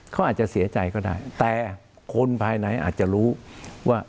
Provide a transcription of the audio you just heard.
เขาอาจจะเสียใจก็ได้แต่คนภายในอาจจะรู้ว่า